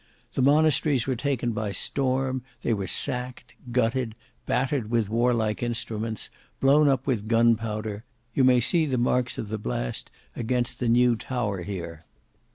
The monasteries were taken by storm, they were sacked, gutted, battered with warlike instruments, blown up with gunpowder; you may see the marks of the blast against the new tower here.